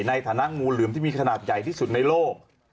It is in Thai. ในฐานะงูเหลือมที่มีขนาดใหญ่ที่สุดในโลก